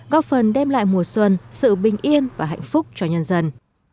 góp phần đem lại mùa xuân sự bình yên và hạnh phúc cho nhân dân